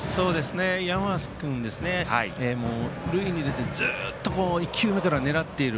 山増君、塁に出てからずっと１球目から狙っている。